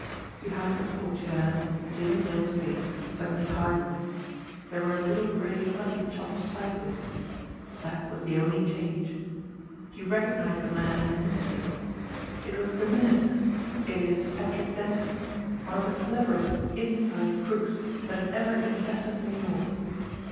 Behind the portiere, Jimmie Dale's face suddenly hardened There were little gray "mutton chop" side whiskers, that was the only change. He recognised the man in an instant. It was the "Minister," alias Patrick Denton, one of the clever est "inside" crooks that had ever infested New York.